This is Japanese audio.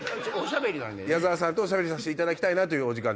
矢沢さんとおしゃべりさせていただきたいという時間。